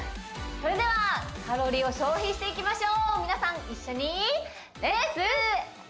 それではカロリーを消費していきましょう皆さん一緒に！